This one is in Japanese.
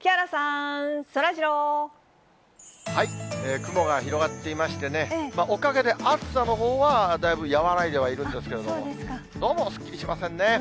雲が広がっていましてね、おかげで暑さのほうはだいぶ和らいではいるんですけれども、どうもすっきりしませんね。